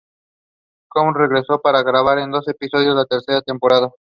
Courage regresó para grabar en dos episodios de la tercera temporada.